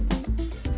jadi pasaran lah ya